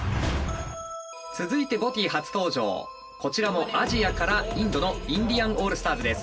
続いてＢＯＴＹ初登場こちらもアジアからインドのインディアン・オールスターズです。